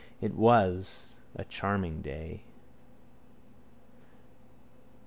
It was a charming day.